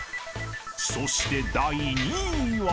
［そして第２位は？］